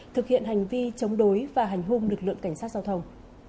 thực hiện hành vi chống đối và hành hung lực lượng cảnh sát giao thông